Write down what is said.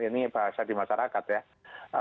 ini bahasa di masyarakat ya